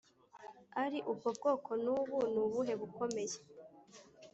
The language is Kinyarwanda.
ari ubwo bwoko n’ubu nubuhe bukomeye